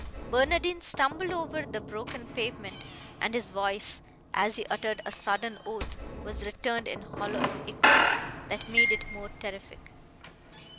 Barnardine stumbled over the broken pavement, and his voice, as he uttered a sudden oath, was returned in hollow echoes, that made it more terrific.